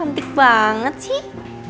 cantik banget sih